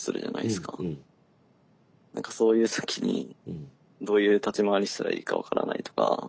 そういう時にどういう立ち回りしたらいいか分からないとか。